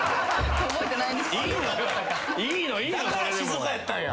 いいのよ。